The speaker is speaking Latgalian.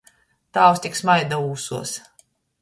Tāvs tik smaida ūsuos.